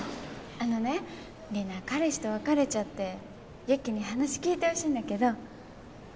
あのねリナ彼氏と別れちゃって雪に話聞いてほしいんだけど。